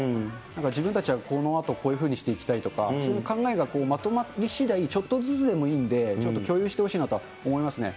自分たちはこのあと、こういうふうにしていきたいとか、そういう考えがまとまりしだい、ちょっとずつでもいいんで、ちょっと共有してほしいなと思いますね。